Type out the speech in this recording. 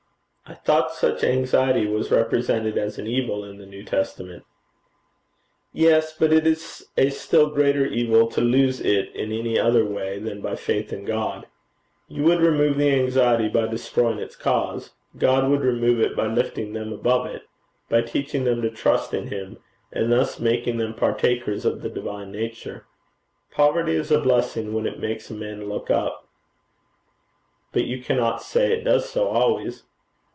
'I thought such anxiety was represented as an evil in the New Testament.' 'Yes. But it is a still greater evil to lose it in any other way than by faith in God. You would remove the anxiety by destroying its cause: God would remove it by lifting them above it, by teaching them to trust in him, and thus making them partakers of the divine nature. Poverty is a blessing when it makes a man look up.' 'But you cannot say it does so always.'